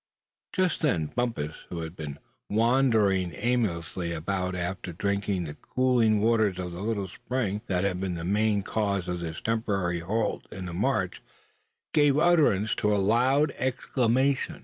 Just then Bumpus, who had been wandering aimlessly about after drinking at the cooling waters of the little spring that had been the main cause of this temporary halt in the march, gave utterance to a loud exclamation.